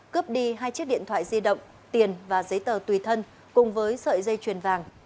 cướp đi hai chiếc điện thoại di động tiền và giấy tờ tùy thân cùng với sợi dây chuyền vàng